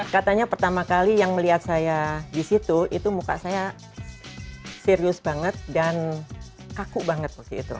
katanya pertama kali yang melihat saya di situ itu muka saya serius banget dan kaku banget waktu itu